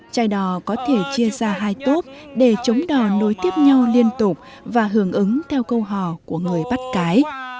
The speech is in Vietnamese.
chai đò có thể chia ra hai tốt để trống đò nối tiếp nhau liên tục và hưởng ứng theo câu hò của người bắt cái